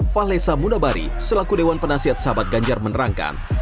fahlesa mudabari selaku dewan penasihat sahabat ganjar menerangkan